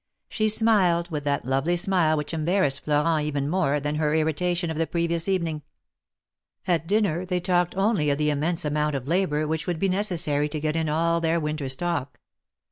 She smiled with that lovely smile which embarrassed Florent even more, than her irritation of the previous evening. At dinner they talked only of the immense amount of labor which would be necessary to get in all their winter stock.